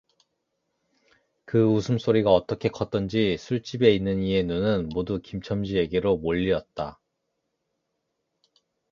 그 웃음 소리가 어떻게 컸던지 술집에 있는 이의 눈은 모두 김첨지에게로 몰리었다.